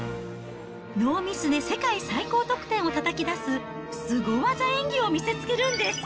ノーミスで世界最高得点をたたき出す、すご技演技を見せつけるんです。